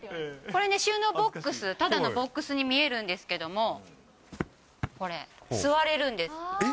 これね、収納ボックス、ただのボックスに見えるんですけども、これ、え？